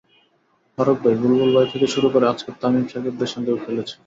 ফারুক ভাই, বুলবুল ভাই থেকে শুরু করে আজকের তামিম-সাকিবের সঙ্গেও খেলেছি।